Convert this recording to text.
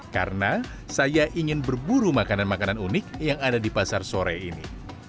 karena saya ingin berburu makanan makanan unik yang ada di pasar sore ini